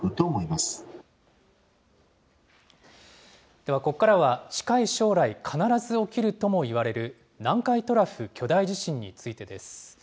ではここからは近い将来、必ず起きるともいわれる、南海トラフ巨大地震についてです。